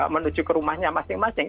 menuju ke rumahnya masing masing